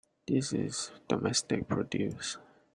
This is domestic produce.